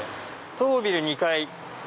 当ビル２階。